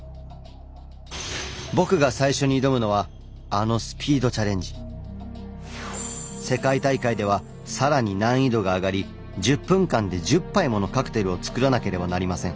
僕が最初に挑むのはあの世界大会では更に難易度が上がり１０分間で１０杯ものカクテルを作らなければなりません。